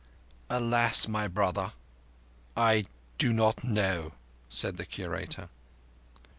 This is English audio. "Alas, my brother, I do not know," said the Curator.